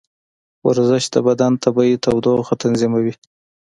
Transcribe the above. ورزش د بدن طبیعي تودوخه تنظیموي.